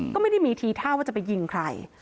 ก็ไม่ได้มีทีท่าว่าจะไปยิงใคร